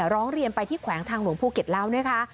ร้องเรียนไปที่แขวงทางหลวงภูกิตเล่า